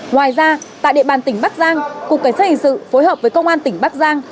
ngoài ra tại địa bàn tỉnh bắc giang cục cảnh sát hình sự phối hợp với công an tỉnh bắc giang